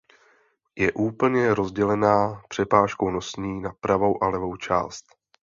Je úplně rozdělená přepážkou nosní na pravou a levou část.